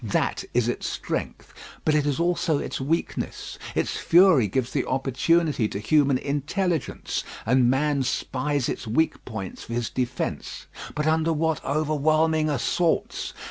That is its strength; but it is also its weakness. Its fury gives the opportunity to human intelligence, and man spies its weak points for his defence; but under what overwhelming assaults!